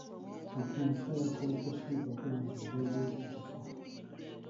Kakensa yakolokose empapula ze ez'obuyigirize.